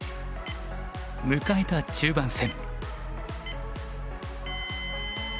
迎えた中盤戦。